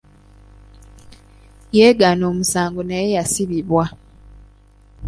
Yeegaana omusango naye yasibibwa.